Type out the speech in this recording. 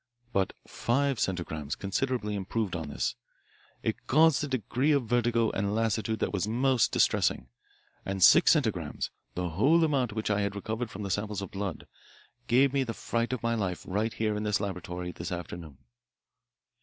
But five centigrams considerably improved on this. It caused a degree of vertigo and lassitude that was most distressing, and six centigrams, the whole amount which I had recovered from the samples of blood, gave me the fright of my life right here in this laboratory this afternoon.